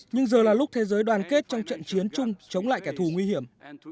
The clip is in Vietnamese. nhưng giờ là lúc thế giới đoàn kết trong trận chiến chung chống lại kẻ thù nguy hiểm